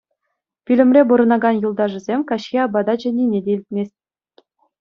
Пӳлӗмре пурӑнакан юлташӗсем каҫхи апата чӗннине те илтмест.